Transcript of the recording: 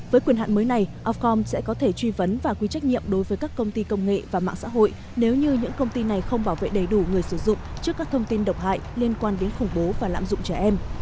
với quyền hạn mới này ofcom sẽ có thể truy vấn và quy trách nhiệm đối với các công ty công nghệ và mạng xã hội nếu như những công ty này không bảo vệ đầy đủ người sử dụng trước các thông tin độc hại liên quan đến khủng bố và lạm dụng trẻ em